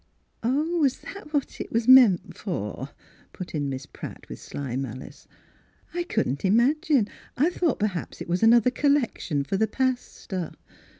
" Oh, was that what it was meant for," put in Miss Pratt, with sly malice ;" I couldn't imagine ; I thought perhaps it was another collection for the pastor."